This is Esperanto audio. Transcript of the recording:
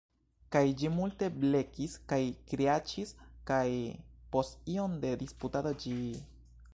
Kaj ĝi multe blekis kaj kriaĉis kaj… post iom de disputado ĝi…